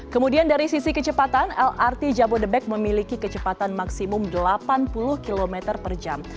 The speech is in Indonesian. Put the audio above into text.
kemudian dari sisi kecepatan lrt jabodebek memiliki kecepatan maksimum delapan puluh km per jam